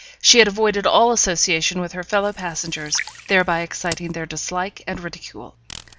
she had avoided all association with her fellow passengers, thereby exciting their dislike and ridicule.